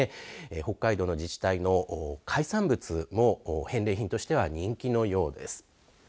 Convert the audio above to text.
北海道の自治体の海産物も返礼品としては人気のようです。